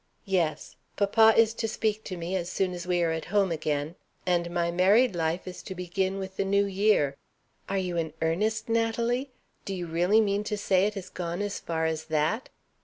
"Yes. Papa is to speak to me as soon as we are at home again, and my married life is to begin with the New Year." "Are you in earnest, Natalie? Do you really mean to say it has gone as far as that?"